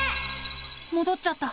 もどっちゃった。